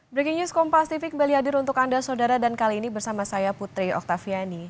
breaking news kompas tv kembali hadir untuk anda saudara dan kali ini bersama saya putri oktaviani